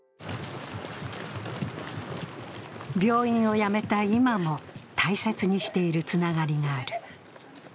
病院を辞めた今も大切にしているつながりがある。